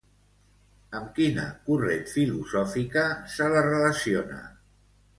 Amb quina corrent filosòfica se la relaciona?